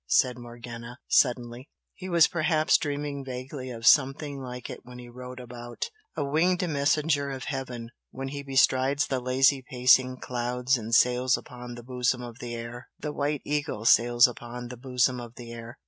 said Morgana, suddenly "He was perhaps dreaming vaguely of something like it when he wrote about " 'A winged messenger of heaven When he bestrides the lazy pacing clouds And sails upon the bosom of the air!' "The 'White Eagle' sails upon the bosom of the air!"